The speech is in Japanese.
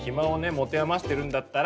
持て余してるんだったら。